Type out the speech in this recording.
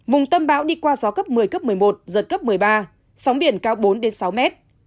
vùng tâm bão đi qua gió cấp một mươi cấp một mươi một giật cấp một mươi ba sóng biển cao bốn sáu mét